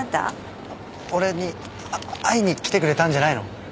俺にあ会いに来てくれたんじゃないの？